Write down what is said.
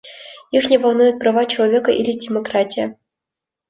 Их не волнуют права человека или демократия.